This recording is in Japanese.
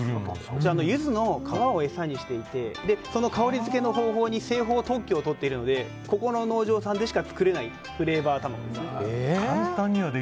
こちら、ユズの皮を餌にしていてその香りづけの製法に特許を取っているのでここの農場さんでしか作れないフレーバー卵です。